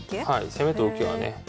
攻めと受けはね。